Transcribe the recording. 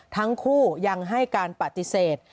ทั้งคู่ยังให้การปฏิเสธ